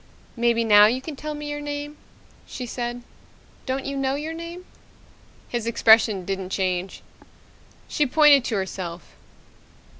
"Maybe now you can tell me your name," she said. "Don't you know your name?" His expression didn't change. She pointed to herself.